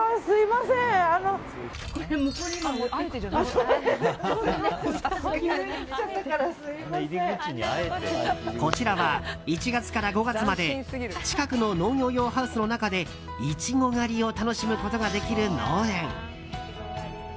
こちらは１月から５月まで近くの農業用ハウスの中でイチゴ狩りを楽しむことができる農園。